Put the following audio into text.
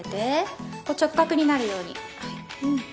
直角になるように。